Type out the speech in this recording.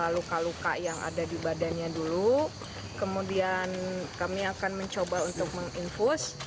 luka luka yang ada di badannya dulu kemudian kami akan mencoba untuk menginfus